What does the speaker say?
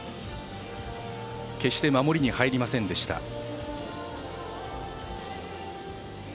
決して守りに入りませんでした。